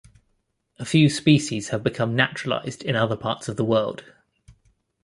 A few species have become naturalized in other parts of the world.